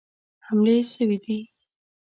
حملې سوي دي.